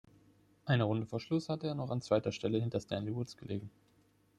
Eine Runde vor Schluss hatte er noch an zweiter Stelle hinter Stanley Woods gelegen.